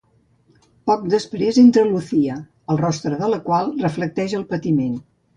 Poc després entra Lucia, el rostre de la qual reflectix el patiment.